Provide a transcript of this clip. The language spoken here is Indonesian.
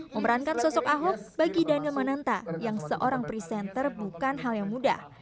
memerankan sosok ahok bagi daniel mananta yang seorang presenter bukan hal yang mudah